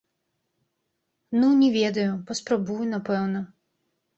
Ну, не ведаю, паспрабую, напэўна.